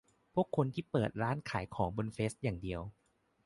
พวกคนที่เปิดร้านขายของบนเฟซอย่างเดียว